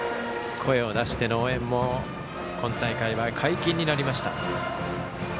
声を出しての応援も今大会は解禁になりました。